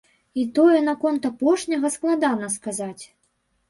І тое наконт апошняга складана сказаць.